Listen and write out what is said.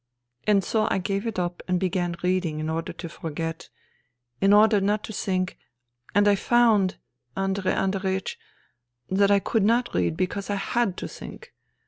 And so I gave it up and began reading in order to forget, in order not to think, and I found, Andrei Andreiech, that I could not read because I had to think.